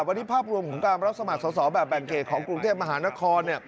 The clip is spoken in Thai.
วันนี้ภาพรวมของการรับสมัครสอบแบบแบ่งเขตของกรุงเทพมหานคร